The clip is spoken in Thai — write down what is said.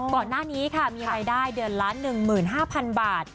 ก่อนหน้านี้ค่ะมีรายได้เดือนละ๑๕๐๐๐บาท